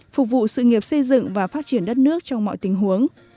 phục vụ sự nghiệp xây dựng và phát triển đất nước trong mọi tình huống